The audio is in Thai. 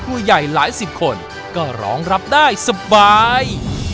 ผู้ใหญ่หลายสิบคนก็ร้องรับได้สบาย